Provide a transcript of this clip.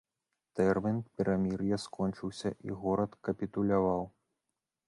Тэрмін перамір'я скончыўся, і горад капітуляваў.